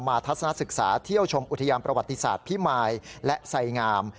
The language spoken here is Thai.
ทัศนศึกษาเที่ยวชมอุทยานประวัติศาสตร์พิมายและไสงาม